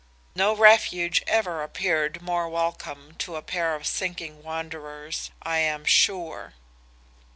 "No refuge ever appeared more welcome to a pair of sinking wanderers I am sure.